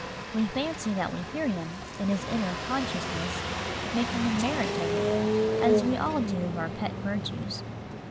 We fancy that we hear him, in his inner consciousness, making a merit of it, as we all do of our pet virtues.